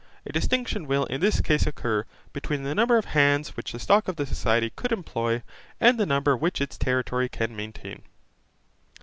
A distinction will in this case occur, between the number of hands which the stock of the society could employ, and the number which its territory can maintain.